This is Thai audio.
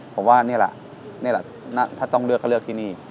ผมว่านี่แหละถ้าต้องเลือกเขาเลือกที่นี่